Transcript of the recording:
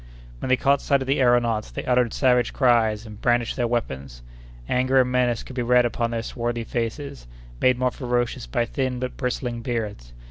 When they caught sight of the aëronauts, they uttered savage cries, and brandished their weapons. Anger and menace could be read upon their swarthy faces, made more ferocious by thin but bristling beards.